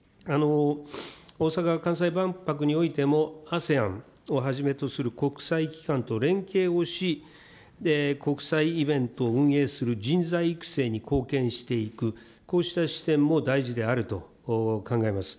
大阪・関西万博においてもＡＳＥＡＮをはじめとする国際機関と連携をし、国際イベントを運営する人材育成に貢献していく、こうした視点も大事であると考えます。